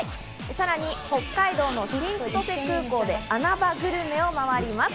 さらに北海道の新千歳空港で穴場グルメを回ります。